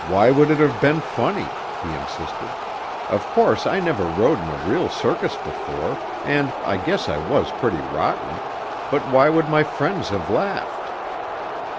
"Why would it have been funny?" he insisted. "Of course I never rode in a real circus before, and I guess I was pretty rotten, but why would my friends have laughed?"